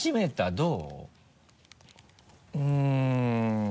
どう？